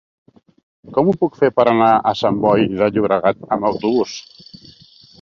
Com ho puc fer per anar a Sant Boi de Llobregat amb autobús?